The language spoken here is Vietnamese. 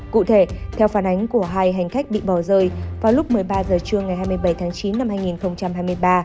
cụ thể theo phản ánh của hai hành khách bị bỏ rơi vào lúc một mươi ba h trưa ngày hai mươi bảy tháng chín năm hai nghìn hai mươi ba